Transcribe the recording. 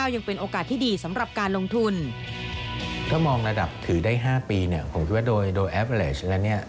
กองระดับถือได้๕ปีเนี่ยผมคิดว่าโดยแอเวลาส์แล้วเนี่ย